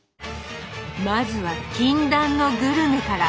まずは禁断のグルメから。